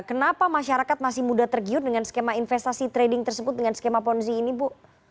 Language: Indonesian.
kenapa masyarakat masih mudah tergiur dengan skema investasi trading tersebut dengan skema ponzi ini bu